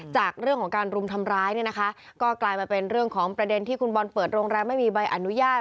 จากเรื่องของการรุมทำร้ายเนี่ยนะคะก็กลายมาเป็นเรื่องของประเด็นที่คุณบอลเปิดโรงแรมไม่มีใบอนุญาต